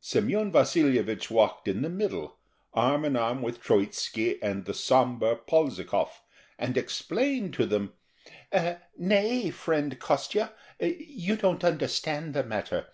Semyon Vasilyevich walked in the middle, arm in arm with Troitzky and the sombre Polzikov, and explained to them: "Nay, friend Kostya, you don't understand the matter.